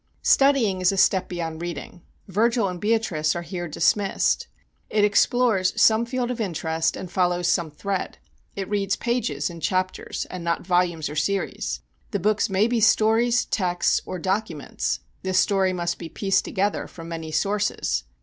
Studying is a step beyond reading; Virgil and Beatrice are here dismissed. It explores some field of interest and follows some thread; it reads pages and chapters and not volumes or series. The books may be stories, texts or documents the story must be pieced together from many sources.